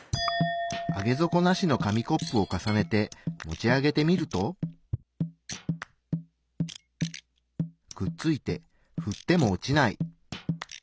上げ底なしの紙コップを重ねて持ち上げてみるとくっついてふっても落ちない。